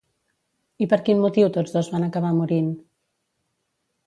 I per quin motiu tots dos van acabar morint?